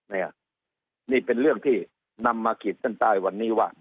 เนี่ยนี่เป็นเรื่องที่นำมาขีดเส้นใต้วันนี้ว่า